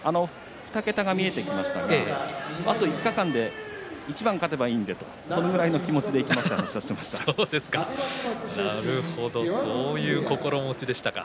２桁が見えてきましたがあと５日間で一番勝てばいいのでと、そのぐらいの気持ちでなるほどそういう心持ちでしたか。